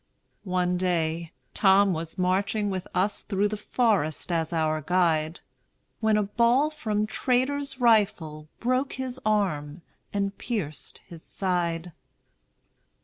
One day, Tom was marching with us Through the forest as our guide, When a ball from traitor's rifle Broke his arm and pierced his side.